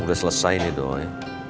udah selesai ini doi